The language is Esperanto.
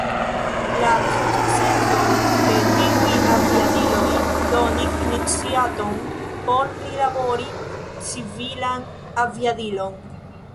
La sukcesoj de tiuj aviadiloj donis iniciaton por prilabori civilan aviadilon.